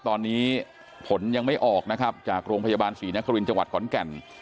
ตอนนี้ผลยังไม่ออกนะครับจากโรงพยาบาลศรีนครินทร์จังหวัดขอนแก่น